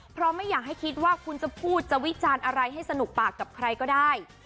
เพราะไม่อยากให้คิดว่าคุณจะพูดจะวิจารณ์อะไรให้สนุกปากกับใครก็ได้